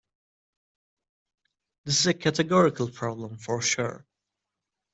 This is a categorical problem for sure.